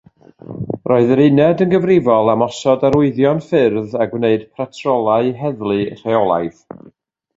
Roedd yr uned yn gyfrifol am osod arwyddion ffyrdd a gwneud patrolau heddlu rheolaidd.